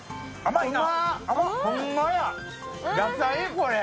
これ。